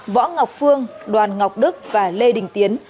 võ ngọc phương đoàn ngọc đức và lê đình tiến